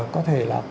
có thể là